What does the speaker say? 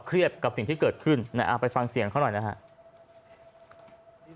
กับสิ่งที่เกิดขึ้นไปฟังเสียงเขาหน่อยนะครับ